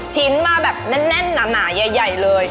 ชิ้นมาแบบแน่นหนาใหญ่เลย